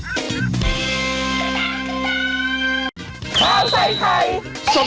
ให้ความอาหาร